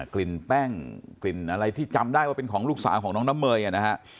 กลิ่นแป้งกลิ่นอะไรที่จำได้ว่าเป็นของลูกสาวของน้องน้ำเมยนะฮะ